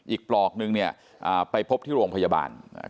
ปลอกนึงเนี่ยอ่าไปพบที่โรงพยาบาลอ่า